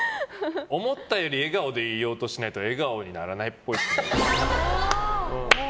思ったより笑顔でいようとしないと笑顔にならないっぽい。